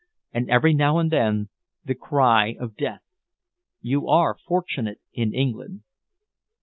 And every now and then the cry of Death! You are fortunate in England."